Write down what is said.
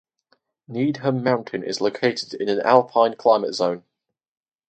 Needham Mountain is located in an alpine climate zone.